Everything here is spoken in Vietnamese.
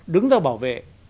đứng ra bảo vệ